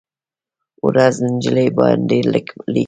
ورځ، نجلۍ باندې لیکمه